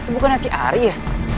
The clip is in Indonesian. itu bukan si ari ya